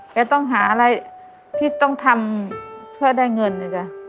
ต้องหาอะไรที่ต้องทำเพื่อได้เงินนะจ๊ะ